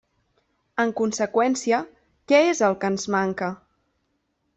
En conseqüència, ¿què és el que ens manca?